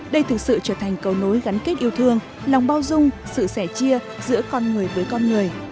đây thực sự trở thành cầu nối gắn kết yêu thương lòng bao dung sự sẻ chia giữa con người với con người